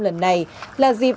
lần này là dịp